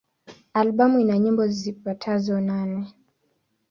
Albamu ina nyimbo zipatazo nane.